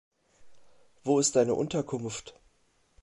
Wo ist deine Unterkunft?